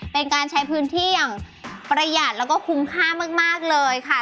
เป็นการใช้พื้นที่อย่างประหยัดแล้วก็คุ้มค่ามากเลยค่ะ